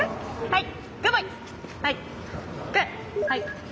はい。